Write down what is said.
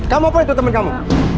kamu apa itu teman kamu